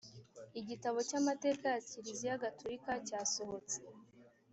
igitabo cy’amategeko ya kiliziya gatolika cyasohotse